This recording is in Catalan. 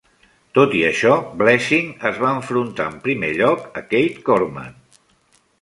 Tot i això, Blessing es va enfrontar en primer lloc a Keith Corman.